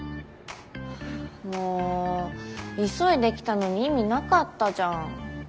もう急いで来たのに意味なかったじゃん。